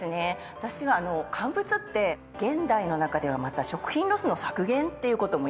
私は乾物って現代の中ではまた食品ロスの削減っていうことも言えると思うんですね。